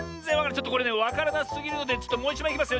ちょっとこれねわからなすぎるのでちょっともういちまいいきますよ。